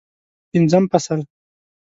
پنځم فصل